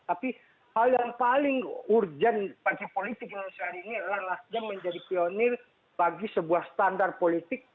tapi hal yang paling urgent bagi politik indonesia hari ini adalah nasdem menjadi pionir bagi sebuah standar politik